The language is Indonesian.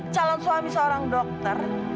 calon suami seorang dokter